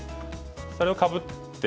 それをかぶって。